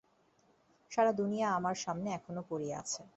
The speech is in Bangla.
সারা দুনিয়া আমার সামনে এখনও পড়িয়া আছে।